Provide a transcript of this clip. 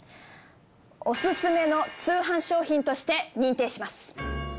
オススメの通販商品として認定します。